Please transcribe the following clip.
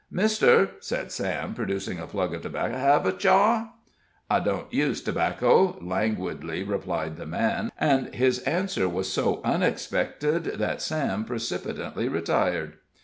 "Mister," said Sam, producing a plug of tobacco, "hev a chaw?" "I don't use tobacco," languidly replied the man, and his answer was so unexpected that Sam precipitately retired.